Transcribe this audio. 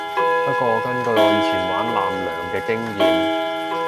不過我根據我以前玩艦娘嘅經驗